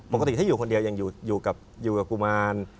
ปกติถ้าอยู่คนเดียวยังอยู่กับกุมาร